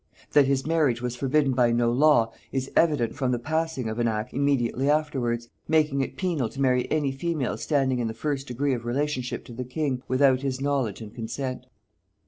That his marriage was forbidden by no law, is evident from the passing of an act immediately afterwards, making it penal to marry any female standing in the first degree of relationship to the king, without his knowledge and consent.